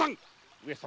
上様